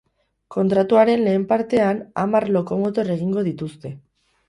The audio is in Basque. Kontratuaren lehen partean, hamar lokomotor egingo dituzte.